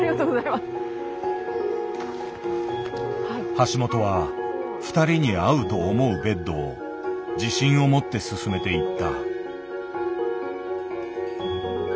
橋本は二人に合うと思うベッドを自信を持ってすすめていった。